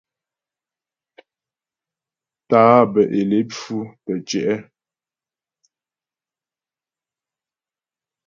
Tá'ǎ bə́ é lé pfʉ tə́ tyɛ̌'.